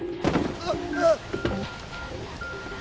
あっ